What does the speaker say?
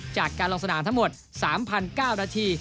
จากการลงสนามทั้งหมด๓๙นาที